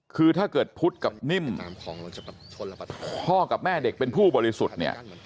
คือถ้าเกิดพุทธกับนิ่มพ่อกับแม่เด็กเป็นผู้บริสุทธิ์เนี่ย